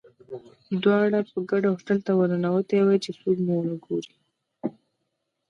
دواړه په ګډه هوټل ته ورننوتي وای، چې څوک مو ونه ګوري.